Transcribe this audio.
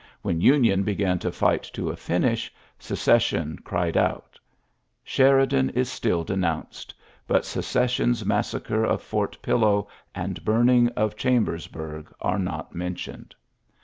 When TTnion began it to fight to a finish, Secession cried out 1> Sheridan is still denounced ; but Seoes t1 sion's massacre of Fort Pillow and bum v? ing of Ghambersburg are not mentioned.